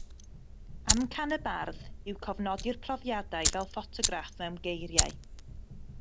Amcan y bardd yw cofnodi'r profiadau fel ffotograff mewn geiriau